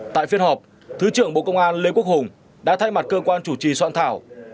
tại phiên họp thứ trưởng bộ công an lê quốc hùng đã thay mặt cơ quan chủ trì soạn thảo